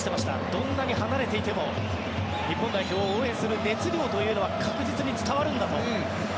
どんなに離れていても日本代表を応援する熱量というのは確実に伝わるんだと。